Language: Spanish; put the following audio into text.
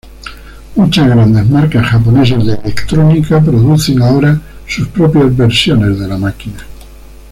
Muchas grandes marcas japonesas de electrónica producen ahora sus propias versiones de la máquina.